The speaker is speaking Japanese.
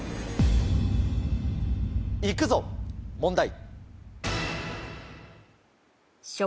行くぞ問題。